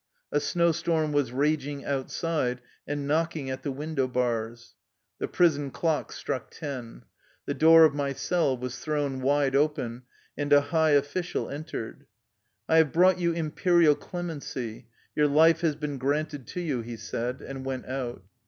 A snow storm was raging outside and knocking at the window bars. The prison clock struck ten. The door of my cell was thrown wide open, and a high official entered. "I have brought you imperial clemency. Your life has been granted to you/' he said and went out.